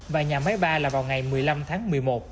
và nhà máy ba là vào ngày một mươi năm tháng một mươi một